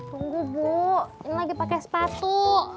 tunggu bu ini lagi pakai sepatu